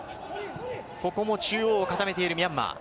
ここも中央固めているミャンマー。